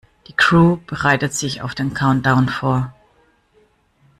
Die Crew bereitet sich auf den Countdown vor.